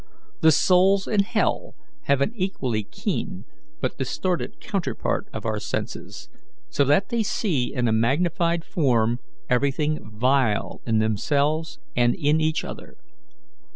The souls in hell have an equally keen but distorted counterpart of our senses, so that they see in a magnified form everything vile in themselves and in each other.